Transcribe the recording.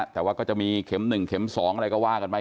แต่ว่าก็จะมีเข็ม๑เข็ม๒อะไรก็ว่ากันไป